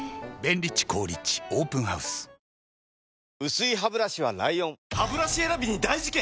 薄いハブラシは ＬＩＯＮハブラシ選びに大事件！